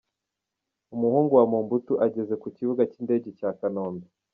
Umuhungu wa Mobutu ageze ku kibuga cy’indege cya Kanombe.